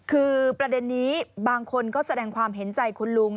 คือประเด็นนี้บางคนก็แสดงความเห็นใจคุณลุง